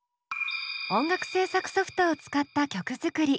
音楽制作ソフトを使った曲作り。